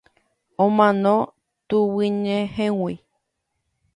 Omano tuguyñehẽgui.